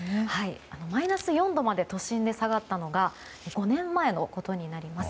マイナス４度まで都心で下がったのが５年前になります。